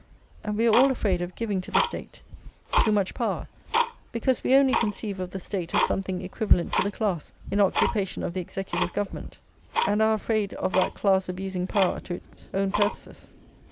And we are all afraid of giving to the State too much power, because we only conceive of the State as something equivalent to the class in occupation of the executive government, and are afraid of that class abusing power to its own purposes.